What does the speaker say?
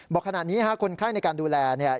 บอกขณะนี้คนไข้ในการดูแลเนี่ย